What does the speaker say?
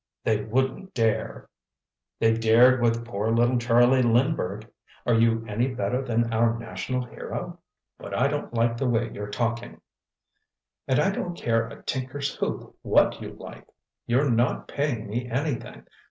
"They wouldn't dare—" "They dared with poor little Charlie Lindbergh. Are you any better than our national hero?" "But I don't like the way you're talking—" "And I don't care a tinker's hoop what you like. You're not paying me anything.